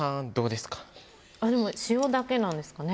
でも塩だけなんですかね？